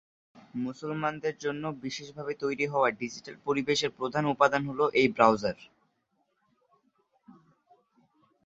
মুসলমানদের জন্য বিশেষ ভাবে তৈরি হওয়া ডিজিটাল পরিবেশের প্রধান উপাদান হলো এই ব্রাউজার।